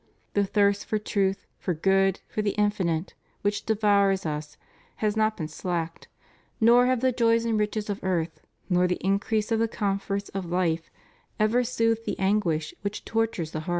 The thirst for truth, for good, for the infinite, which devours us, has not been slaked, nor have the joys and riches of earth, nor the increase of the comforts of life ever soothed the anguish which tortures the heart.